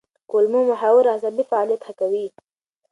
کولمو محور عصبي فعالیت ښه کوي.